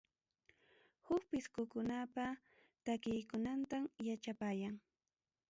Huk pisqukunapa takiyninkunatam yachapayan.